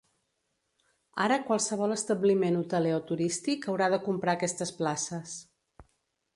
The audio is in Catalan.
Ara qualsevol establiment hoteler o turístic haurà de comprar aquestes places.